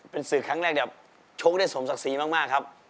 เป็นสื่อครั้งแรกเดี๋ยวโชคได้สมศักดิ์ศรีมากครับ